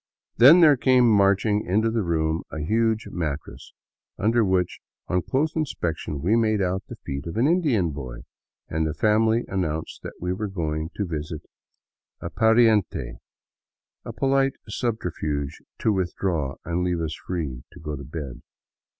Then there came marching into the room a huge mattress under which, on close inspection, we made out the feet of an Indian boy, and the family an nounced that they were going to visit a pariente — a polite subterfuge to withdraw and leave us free to go to bed.